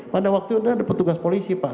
pada waktu itu ada petugas polisi pak